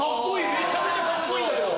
めちゃめちゃカッコいいんだけど。